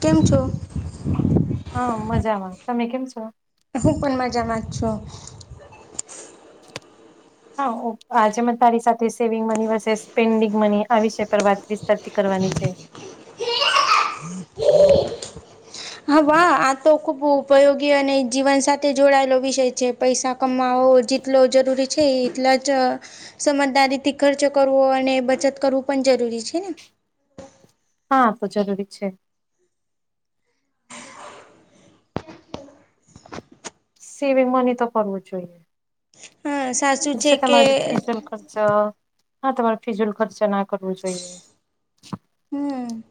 કેમ છો. હા મજામાં તમે કેમ છો. હુ પણ મજામાં જ છુ. હા આજે મન તારી સાથે saving money versus spending money આ વિષય પર વાત વિસ્તારથી કરવાની છે. હા વાહ આ તો ખુબ ઉપયોગી અને જીવન સાથે જોડાયેલો વિષય છે, પૈસા કમાવો જેટલો જરૂરી છે, એટલા જ સમજદારી થી ખર્ચ કરવો અને બચત કરવું પણ જરૂરી છેને. હા તો જરૂરી છે. સેવિંગ મની તો કરવું જોઈએ. હા સાચું છે, કે અચ્છા હા તમારે ફિઝુલ ખર્ચ ના કરવુ જોઈએ. હુ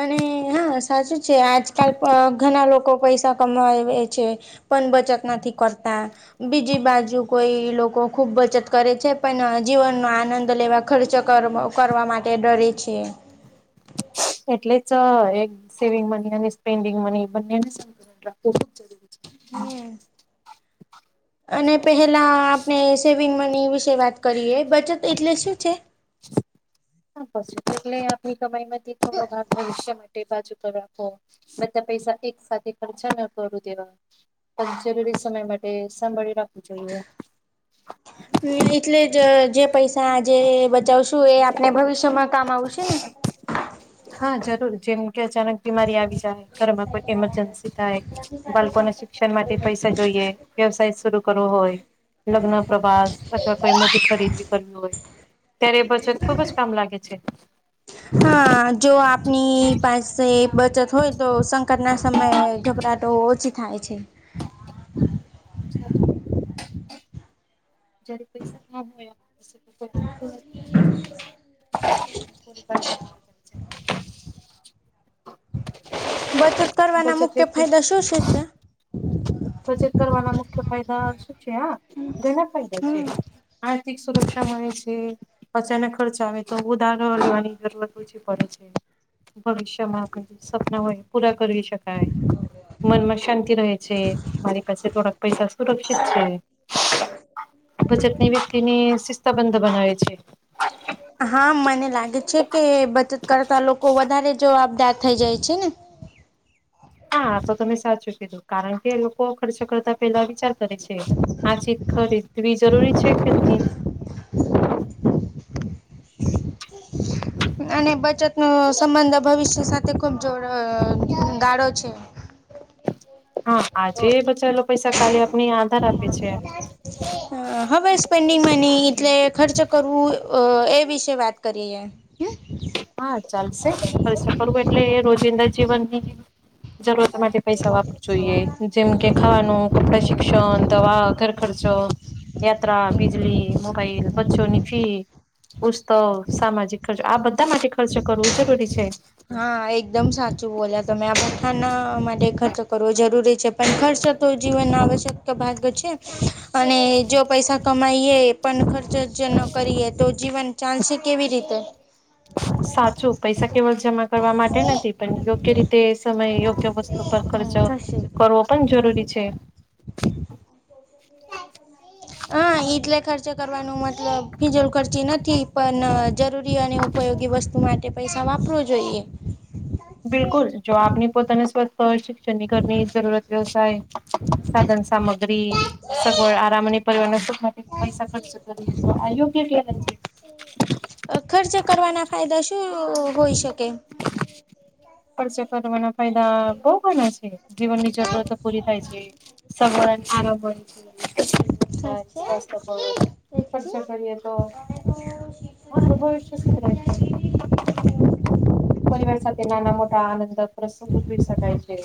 અને હા સાચું છે આજકાલ પ ઘણા લોકો પૈસા કમાવે છે. પન બચત નથી કરતા બીજી બાજુ કોઈ લોકો ખુબ બચત કરે છે પણ જીવનનો આનંદ લેવા ખર્ચો કર કરવા માટે ડરે છે. એટલે જ એક સેવિંગ મની અને સ્પેન્ડિંગ મની બંનેને સંકલન રાખવું ખુબ જરૂરી છે હમ અને પહેલા આપણે સેવિંગ મની વિશે વાત કરીએ બચત એટલે શું છે. બચત એટલે આપણી કમાઈ માંથી થોડો ભાગ ભવિષ્ય બાજુ પર રાખો બધા પૈસા એક સાથે ખર્ચા ના કરું દેવા જરૂરી સમય માટે સાંભાળી રાખવું જોઈએ. હ એટલે જ જે પૈસા આજે બચાવશું એ આપને ભવિષ્યમાં કામ આવશે ને હા જરૂર જેમ કે અચાનક બીમારી આવી જાય ઘરમાં કોઈ ઇમરજન્સી થાય બાલકોને શિક્ષણ માટે પૈસા જોઈએ. વ્યવસાય શરૂ કરવો હોય. લગ્ન પ્રવાસ અથવા કોઈ મોટી ખરીદી કરવી હોય ત્યારે બચત ખુબ જ કામ લાગે છે. હા, જો આપની પાસે બચત હોય તો, સંકટ ના સમયે ગભરાટો ઓ છી થાય છે. [inaudible] જયારે પૈસા ના હોય [inaudible] [inaudible] બચત કરવાના બચત મુખ્ય વ્યક્તિ ફાયદા શું શું છે? બચત કરવાના મુખ્ય ફાયદા શું છે આ ઘના ફાયદા છે. હમ આર્થિક સુરક્ષા મળે છે. અચાનક ખર્ચા આવે તો ઉધરો લેવાની જરૂરત ઓછી પડે છે ભવિષ્યમાં કોઈ સપ્ન હોય પૂરા કરવી શકાય. મનમાં શાંતિ રહે છે, મારી પાસે થોડાક પૈસા સુરક્ષિત છે. બચતની વ્યક્તિ ને શિસ્તબંધ બનાવે છે. હા મને લાગે છે કે બચત કરતા લોકો વધારે જવાબદાર થઈ જાય છે ને હા તો તમે સાચુંજ કીધું, કારણ કે લોકો ખર્ચો કરતા પેલા વિચાર કરે છે. આ ચીજ ખરીદવી જરૂરી છે કે નઇ? અને બચતનો સંબંધ ભવિષ્ય સાથે ખુબ જોર અ ગાઢો છે. હા આજે બચાવેલો પૈસા કાલે આપને આધાર આપે છે. હા અ હવે સ્પેન્ડિંગ મની, એટલે ખર્ચ કરવું, અ એ વિશે વાત કરીએ. હા ચાલશે, ખર્ચા કરવું એટલે રોજિંદા જીવનની જરૂરત માટે પૈસા વાપરવું જોઈએ, જેમ કે ખાવાનું કપડા શીખ ક્ષન, દવા, ઘર ખર્ચો યાત્રા, બિજલી, મોબાઈલ, બચ્ચોની ફી પુસ્તક, સામાજિક ખર્ચ આ બધા માટે ખર્ચો કરવો જરૂરી છે. હા એકદમ સાચું બોલ્યા તમે, આ બથાના માટે ખર્ચો કરવો જરૂરી છે. પણ ખર્ચો તો જીવનના આવશ્યક તો ભાગ છે, અને જો પૈસા કમાઈએ પણ ખર્ચ જ ન કરીએ તો, જીવન ચાલશે કેવી રીતે? સાચું પૈસા કેવલ જમા કરવા માટે નથી, પણ યોગ્ય રીતે સમય યોગ્ય વસ્તુ પર ખર્ચો થશે કરવો પણ જરૂરી છે. હા, એટલે ખર્ચે કરવાનું મતલબ ફિજલ ખર્ચી નથી. પણ જરૂરી અને ઉપયોગી વસ્તુ માટે પૈસા વાપરવું જોઈએ બિલકુલ, જો આપને પોતાને સ્વસ્થ, શિક્ષણની, ઘરની જરૂરત, વ્યવસાય સાધન સામગ્રી, સગવડ આરામ અને પરિવાનો સુખ માટે પૈસા ખર્ચ કરીએ, તો આ યોગ્ય કેલાય છે. અ ખર્ચ કરવાના ફાયદા શું હોય શકે? ખર્ચો કરવાના ફાયદા બઉ ઘણા છે, જીવનની જરૂરતો પૂરી થાય છે સગરો આરો હોય [unintelligible] પર સાચે ખર્ચ કરીએ તો હાલ નુ ભવિષ્ય સુધરે છે. પરિવાર સાથે નાના મોટા આનંદ પ્રસંગ ઉજવી શકાય છે.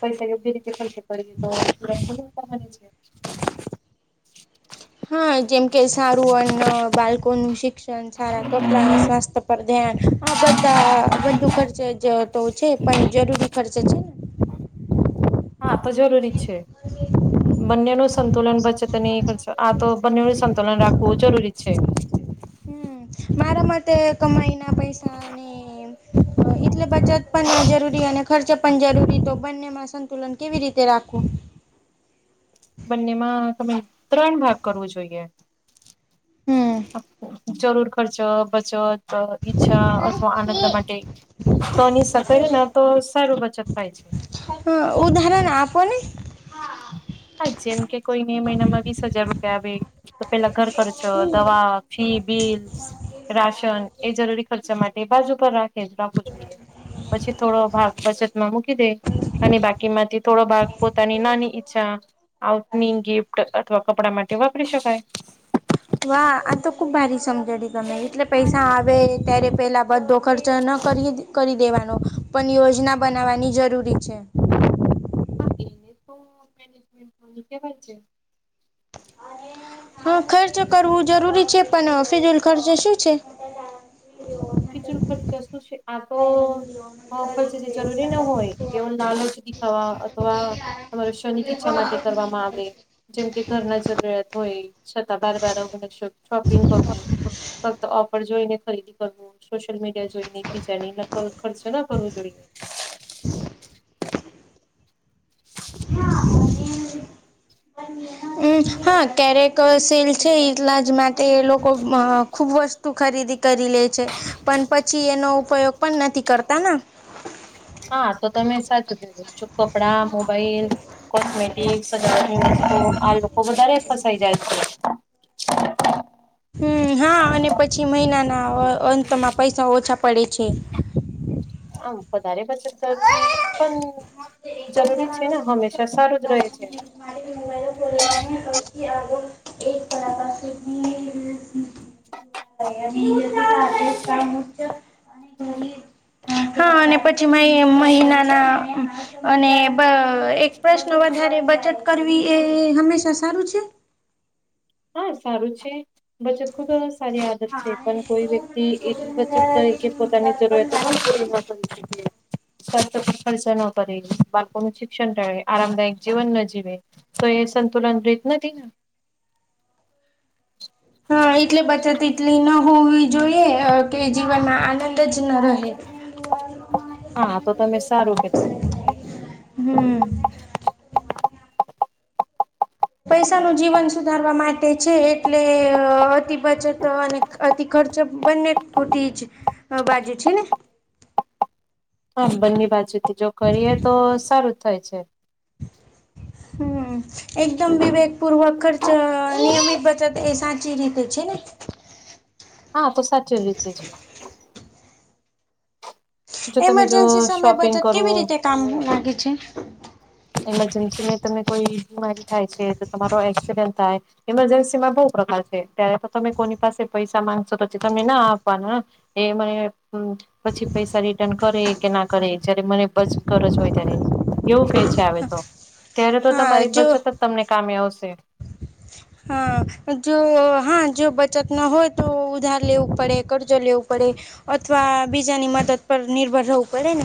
પૈસા યોગ્ય રીતે ખર્ચો કરીએ તો આપડે [unintelligible] કરવાની છે. હા જેમ કે સારું અન્ન, બાળકો નું શિક્ષણ, સારા કપડા, સ્વાસ્થ્ય પર ધ્યાન, આ બધા બંધુ ખર્ચ જ તો છે પણ જરૂરી ખર્ચ છે ને હા તો જરૂરી છે. બંને ન સંતુલન બચત નહી પણ આ તો બંનેનું સંતુલન રાખવું જરૂરી છે. હમ મારા માટે કમાઈ ના પૈસા ની એટલે બચત પણ જરૂરી અને ખર્ચે પણ જરૂરી તો બંનેમાં સંતુલન કેવી રીતે રાખવું. બંનેમાં તમેં ત્રણ ભાગ કરવું જોઈએ. હમ જરૂર ખરચો બચત ઈચ્છા અથવા આનંદ માટે તોની સર કરીએ ને તો સારુ બચત થાય છે. અભ ઉદાહરણ આપોને હા જેમ કે કોઈને એ મહિનામાં વીસ હજાર રૂપિયા આવે. તો પેલા ઘર કરજો દવા ફી બિલસ રાશન એ જરૂરી ખર્ચા માટે બાજુ પર રાખે રાખવું જોઈએ. પછી થોડો ભાગ બચતમાં મૂકી દે અને બાકી માંથી થોડો ભાગ પોતાની નાની ઈચ્છા આઉંટની ગિફ્ટ અથવા કપડા માટે વાપરી શકાય. વાહ આ તો ખુબ ભારી સમજાડી તમે એટલે પૈસા આવે ત્યારે પેલા બધો ખર્ચ ન કરી કરી દેવાનો પણ યોજના બનાવવાની જરૂરી છે. [inaudible] હા એને તો મેનેજમેન્ટ કેવાય છે. હા ખર્ચ કરવું જરૂરી છે પણ ફિઝુલ ખર્ચ શું છે. ફિચુલ ખર્ચ શું છે આ તો હ ખર્ચ જે જરૂરી ના હોય કેવ નાલોચી ખાવા અથવા તમારો શોની ઈચ્છા માટે કરવામાં આવે જેમ કે ઘરના જરૂરિયાત હોય છતાં બાર બાર અ શોપિંગ કરવું. ફક્ત ઓફર જોઈ ને ખરીદી કરવું. સોશિયલ મીડિયા જોઈ ને બીજા ની નકલ ખર્ચો ના કરવો જોઈએ. [inaudible] હા એ અન્ય હ હા ક્યારેક સેલ છે એટલા જ માટે લોકો ખુબ જ તું ખરીદી કરી લે છે પણ પછી એનો ઉપયોગ પણ નથી કરતા ને હા તો તમે સાચું કીધું છો કપડાં મોબાઈલ કોમે એક સજાવાટ ની વસ્તુ આ લોકો વધારે ફસાઈ જાય છે. હમ હા અને પછી મહિનાના અંતમાં પૈસા ઓછા પડે છે. આ પ વધારે પછ કરી પણ જરૂરી છે ને હંમેશા સારું જ રહે છે. મોબાઈઇલ લે અને અથી આગો એક પડાકા સુ ખચ્ અને ગરીબ હા અને પછી મહિ મહિનાના અને એક પ્રશ્ન વધારે બચત કરવી એ હંમેશા સારું છે. હા સારું છે બચત ખુબ સારી દ પણ કોઈ વ્યક્તિ એટલી બચક તરીકે પોતાની જરૂરિયાતો પણ પૂરી ના કરી શકીએ ખર્ચ ન કરે બાળકોનું શિક્ષણ ટાળ આરામદાયક જીવન ન જીવે તો એ સંતુલન રીત નથી ને હ એટલે બચત એટલી ન હોવી જોઈએ કે જીવનમાં આનંદ જ ન રહે હા તો તમે સારું કીધું હમ. પૈસાનું જીવન સુધારવા માટે છે એટલે અતિ બચત અને અતિ ખર્ચ બંને કોટી છે બા જે છે ને. હા બંની બાજુથી જો કરીએ તો સારું થાય છે. હમ. એકદમ વિવેકપૂર્વક ખર્ચ નિયમિત બચત એ સાચી રીતે છે ને. હા તો સાચું રીતે છે. જો તમે જો મરજન્સી સમય શોપિંગ બચત કેવી કરવો રીતે કામ લાગે છે? મરજન્સીને તમે કોઈ બીમારી થાય છે તો તમારો એક્સિડેન્ટ થાય. મરજન્સી માં બહ પ્રકાર છે ત્યારે તો તમે કોની પાસે પૈસા માંગશો તોછી તને ના આપવાના. એ મને પછી પૈસા રિટર્ન કરે. કે ના કરે જયારે મને બસ ગરજ હોય ત્યારે એવું કે છે, આવે તો. ત્યારે તો હા તમારી જો બચત જ તમને કામે આવશે. [inaudible] હા, જો હા જો બચત ના હોય તો ઉધાર લેવું પડે કર્જો લેવું પડે. અથવા બીજાની મદદ પર નિર્ભર રહેવું પડે ને.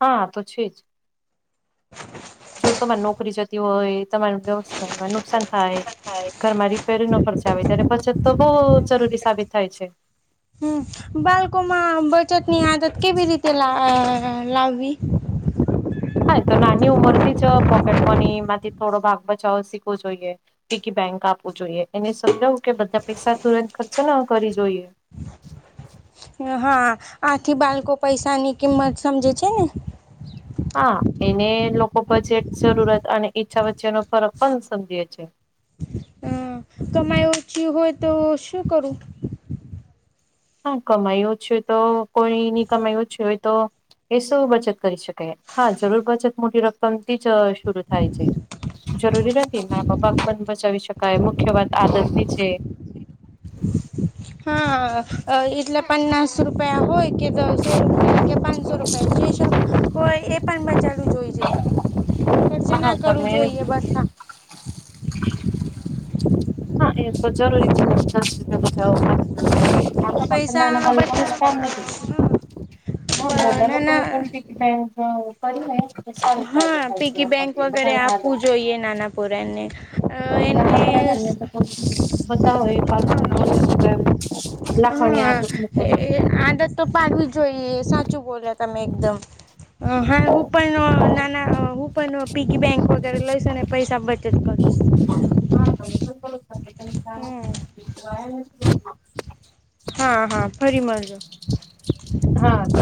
હા તો છે જ. જો તમારી નોકરી જતી હોય તમાર વ્યવસ્ નુકસાન થાય, ઘરમાં રિપેરી નો ખર્ચ આવે ત્યારે બચત તો બહુ જરૂરી સાબિત થાય છે. હમ, બાળકો માં બચત ની આદત કેવી રીતે લાવવી? હા તો નાની ઉંમર થી જ પોકેટ મની માંથી થોડો ભાગ બચાવો શીખવો જોઈએ. પૈકી બેંક આપવું જોઈએ એને સમજાવું કે બધા પૈસા તુરંત ખર્ચો ને કરી જોઈએ. હા, આથી બાળકો પૈસા ની કિંમત સમજે છે ને. હા એને લોકો બજેટ જરૂરત અને ઈચ્છા વચ્ચેનો ફરક પણ સમજી છે. અ કમાઈ ઓછી હોય તો શું કરું? હા કમાયું છે તો કોઈ ની કમાયું છે હોય તો એ શું બચત કરી શકાય હા જરૂર બચત મોટી ર કમતી જ શરુ થાય છે, જરૂરી નથી બાક પણ બચાવી શકાય મુખ્ય વાત આદત ની છે. હા એટલે પન્નાસ રૂપ હોય કે દસો રૂપ કે પાંચસો રૂપ જે હોય એ પણ પચાસ ર્ચ હા ના કરવું તમે જોઈએ બધા હા એ તો જરૂરી છે જ બ જવા માટે. આ તો ફક્ત નાના પૈસા બાળકોને જ બધા કામ નથી, હા બધા લોકો એ નાના પણ બે કર [unintelligible] હા પીકી બેંક વગેરે આદત આપવું જોઈએ નાના પુરાણને. નાાના પરા લ તો બધા હોય પાંચ [unintelligible] હા, એ આદત તો પાડવી જોઈએ, સાચું બોલ્યા તમે એકદમ. અ હા હું પણ નાના હું પણ પીકી બેંક વગેરે લઈસ ને પૈસા બચત કર હા તમે હમ પણ કર [unintelligible] હા હા ફરી મળજો. હા હ.